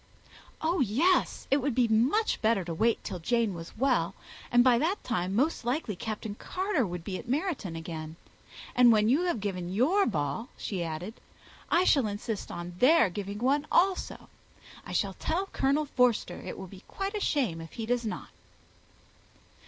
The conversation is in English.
"Oh yes it would be much better to wait till Jane was well; and by that time, most likely, Captain Carter would be at Meryton again. And when you have given your ball," she added, "I shall insist on their giving one also. I shall tell Colonel Forster it will be quite a shame if he does not."